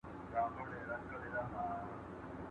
د ګرجستان والي د پاچا له امره سرغړونه وکړه.